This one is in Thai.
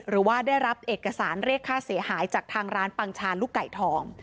หรือว่าได้รับเอกสารเรียกค่าเสียหายจากทางร้านปังชาลูกไก่ทอง